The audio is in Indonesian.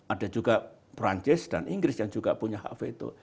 ada juga perancis dan inggris yang juga punya hak veto